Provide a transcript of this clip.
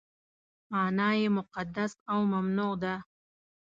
معنا یې مقدس او ممنوع ده.